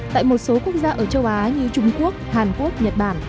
tại một số quốc gia ở châu á như trung quốc hàn quốc nhật bản